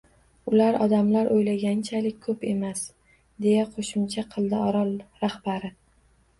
Ular odamlar o‘ylaganchalik ko‘p emas, — deya qo‘shimcha qildi orol rahbari